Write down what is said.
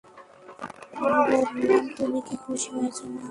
আমি বললাম, তুমি কি খুশি হয়েছ মা?